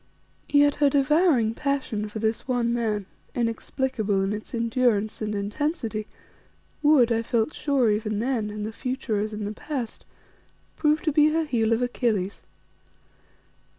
Yet her devouring passion for this one man, inexplicable in its endurance and intensity, would, I felt sure even then, in the future as in the past, prove to be her heel of Achilles.